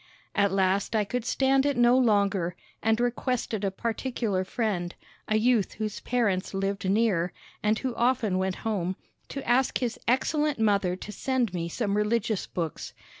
At last I could stand it no longer, and requested a particular friend, a youth whose parents lived near, and who often went home, to ask his excellent mother to send me some religious books.